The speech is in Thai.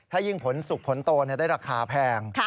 ถ้ายิ่งผลสุขผลโตได้ราคาแพง